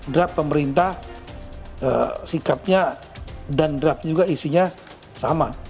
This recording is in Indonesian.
draft pemerintah sikapnya dan draft juga isinya sama